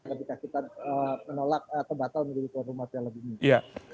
apakah kita menolak atau batal menjadi piala piala dunia